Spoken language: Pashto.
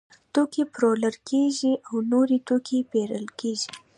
توکي پلورل کیږي او نور توکي پیرل کیږي.